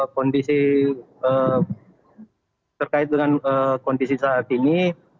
kondisi terkait dengan kondisi saat ini